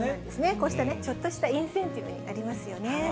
こうした、ちょっとしたインセンティブになりますよね。